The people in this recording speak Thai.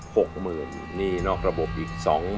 หนี้นอกระบบอีก๒๐๐๐๐